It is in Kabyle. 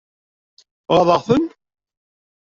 Ɣaḍeɣ-ten?